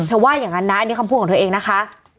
ว่าอย่างนั้นนะอันนี้คำพูดของเธอเองนะคะ